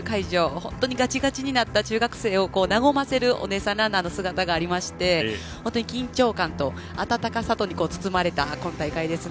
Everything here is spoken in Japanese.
本当にガチガチになった中学生を和ませるお姉さんランナーの姿がありまして緊張感と温かさに包まれた今大会ですね。